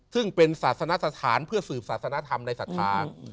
ซึ่งเป็นศาสนธรรมสถานเพื่อสิศาสนธรรมในศาสดา